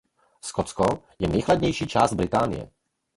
Skotsko je nejchladnější část Británie.